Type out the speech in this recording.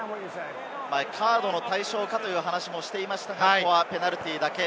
カードの対象か？という話をしていましたが、ペナルティーだけ。